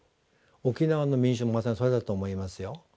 沖縄の民衆もまたそうだと思いますよ。